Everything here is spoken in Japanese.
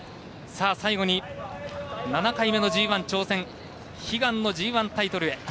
最後に７回目のＧＩ挑戦悲願のＧＩタイトルへ。